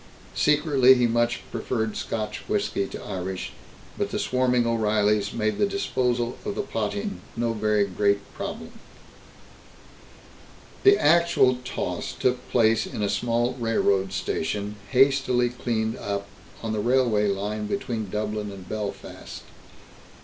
Secretly he much preferred Scotch whisky to Irish, but the swarming O'Reillys made the disposal of the potheen no very great problem. The actual toss took place in a small railroad station, hastily cleaned up, on the railway line between Dublin and Belfast.